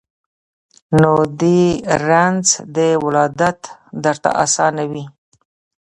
نو دي رنځ د ولادت درته آسان وي